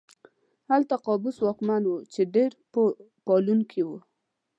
هلته قابوس واکمن و چې ډېر پوه پالونکی و.